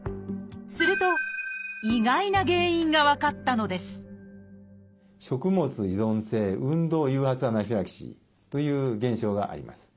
すると意外な原因が分かったのですという現象があります。